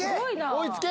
追いつけ。